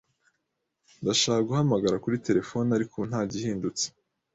Ndashaka guhamagara kuri terefone, ariko ubu nta gihindutse.